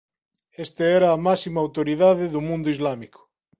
Este era a máxima autoridade do mundo islámico.